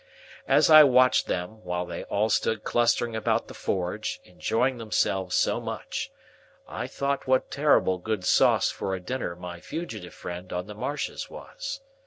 As I watched them while they all stood clustering about the forge, enjoying themselves so much, I thought what terrible good sauce for a dinner my fugitive friend on the marshes was.